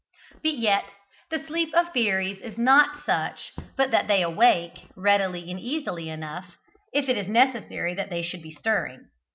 But yet the sleep of fairies is not such but that they awake, readily and easily enough, if it is necessary that they should be stirring.